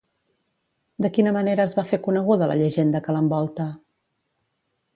De quina manera es va fer coneguda la llegenda que l'envolta?